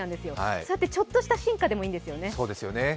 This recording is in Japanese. そうやってちょっとした進化でもいいんですよね。